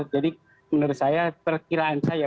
jadi menurut saya perkiraan saya